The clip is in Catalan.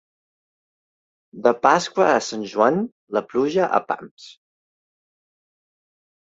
De Pasqua a Sant Joan, la pluja a pams.